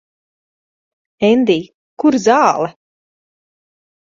Endij, kur zāle?